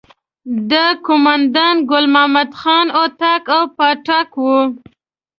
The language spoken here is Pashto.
د قوماندان ګل محمد خان اطاق او پاټک وو.